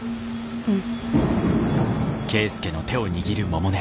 うん。